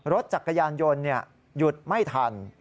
รถจักรยานยนต์หยุดไม่ทัน